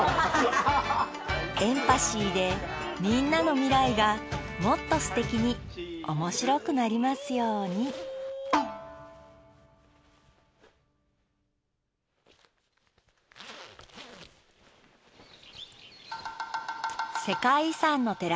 エンパシーでみんなの未来がもっとすてきに面白くなりますように世界遺産の寺